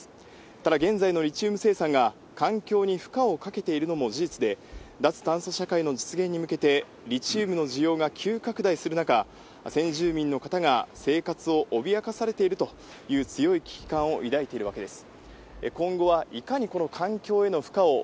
ただ、現在のリチウム生産が環境に負荷をかけているのも事実で、脱炭素社会の実現に向けて、リチウムの需要が急拡大する中、先住民の方が生活を脅かされているという、強い危機感を抱いているわけです。